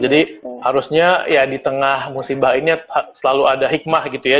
jadi harusnya ya di tengah musim mbak ini selalu ada hikmah gitu ya